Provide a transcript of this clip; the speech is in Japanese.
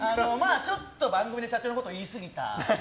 ちょっと番組で社長のことを言いすぎた。